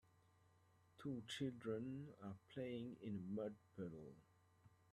Two children are playing in a mud puddle.